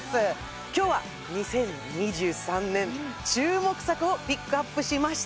今日は２０２３年注目作をピックアップしました